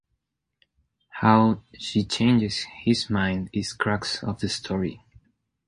How she changes his mind is crux of the story.